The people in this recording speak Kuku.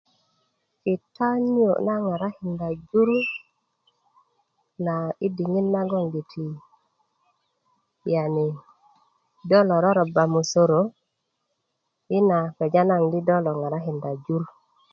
kita niyo na ŋarakin jur na i diŋit nagoŋgiti yani do lo roroba musoro ina kpeja naŋ di do lo ŋarakinda jur